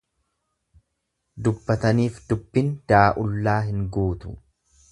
Dubbataniif dubbin daa'ullaa hin guutu.